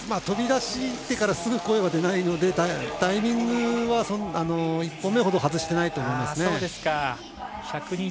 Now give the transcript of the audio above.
飛び出してからすぐ声は出ないのでタイミングは１本目ほど外してないと思いますね。